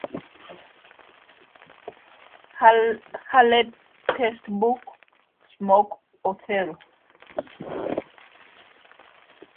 Her latest book Smoke Othello!